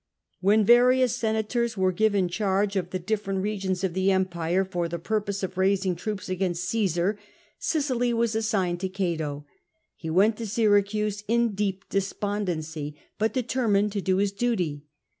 When various senators were given charge of the different CATO AT DYRRHACHIUM 227 regions o£ the empire, for the purpose of raising troops against Caesar, Sicily was assigned to Cato. He went to Syracuse in deep despondency, but determined to do his duty.